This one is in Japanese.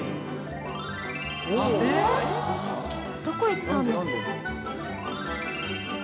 「どこ行ったんだ？」